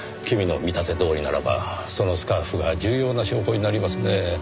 君の見立てどおりならばそのスカーフが重要な証拠になりますねぇ。